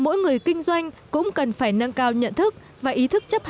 các ngành chức năng cũng cần phải nâng cao nhận thức và ý thức chấp hành